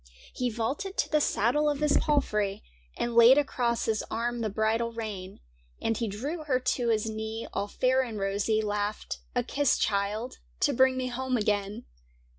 He vaulted to the saddle of his palfrey. And laid across his arm the bridle rein ; And he drew her to his knee, all fair and rosy. Laughed —' A kiss, child, to bring me home again.